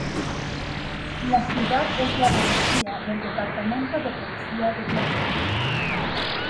La ciudad es la policía del Departamento de Policía de Glendale.